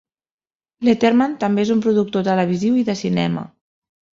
Letterman també és un productor televisiu i de cinema.